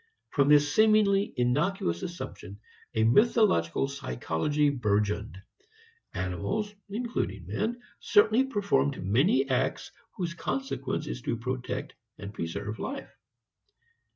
From this seemingly innocuous assumption, a mythological psychology burgeoned. Animals, including man, certainly perform many acts whose consequence is to protect and preserve life.